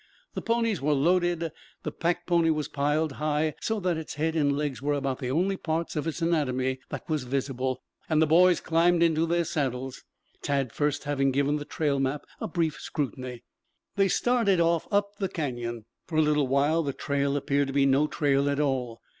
The ponies were loaded, the pack pony was piled high so that its head and legs were about the only parts of its anatomy visible, and the boys climbed into their saddles, Tad first having given the trail map a brief scrutiny. They started off up the canyon. For a little way the trail appeared to be no trail at all.